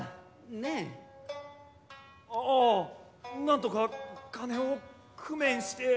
なんとか金を工面して。